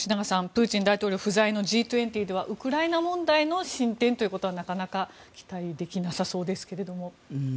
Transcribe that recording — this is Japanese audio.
プーチン大統領不在のＧ２０ではウクライナ問題の進展ということはなかなか期待できなさそうですけれども。